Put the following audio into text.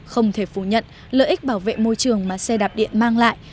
không thể phủ nhận lợi ích bảo vệ môi trường mà xe đạp điện mang lại